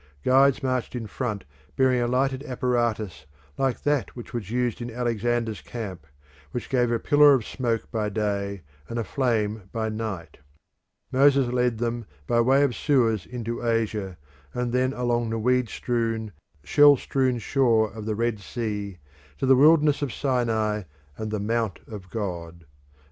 Guides marched in front bearing a lighted apparatus like that which was used in Alexander's camp, which gave a pillar of smoke by day and a flame by night. Moses led them by way of Suez into Asia, and then along the weed strewn, shell strewn shore of the Red Sea to the wilderness of Sinai and the Mount of God.